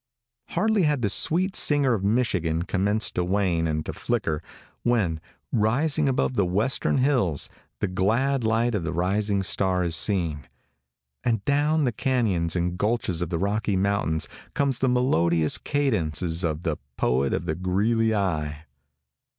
Hardly had the sweet singer of Michigan commenced to wane and to flicker, when, rising above the western hills, the glad light of the rising star is seen, and adown the canyons and gulches of the Rocky mountains comes the melodious cadences of the poet of the Greeley Eye.